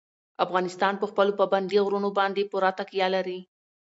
افغانستان په خپلو پابندي غرونو باندې پوره تکیه لري.